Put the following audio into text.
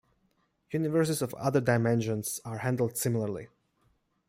Universes of other dimensions are handled similarly.